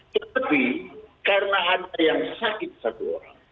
tetapi karena ada yang sakit satu orang